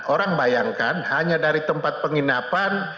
orang bayangkan hanya dari tempat penginapan